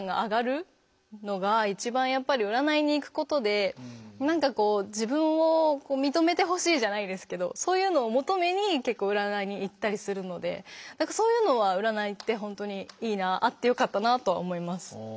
やっぱり占いに行くことで何かこう自分を認めてほしいじゃないですけどそういうのを求めに結構占いに行ったりするので何かそういうのは占いって本当にいいなあってよかったなとは思います。